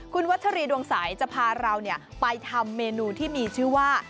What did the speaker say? คุณวัชรีดวงใสจะพาเราไปทำเมนูที่มีชื่อว่า